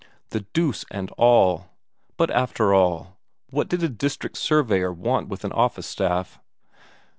The deuce and all! But after all, what did a district surveyor want with an office staff?